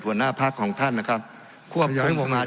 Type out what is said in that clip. ทั้งสองกรณีผลเอกประยุทธ์